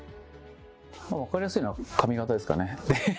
分かりやすいのは髪形ですかね。